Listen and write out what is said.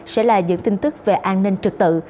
sẽ là những tin tức về an ninh trực tự